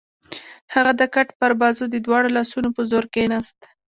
هغه د کټ پر بازو د دواړو لاسونو په زور کېناست.